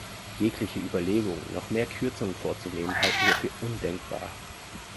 Jegliche Überlegungen, noch mehr Kürzungen vorzunehmen, halten wir für undenkbar.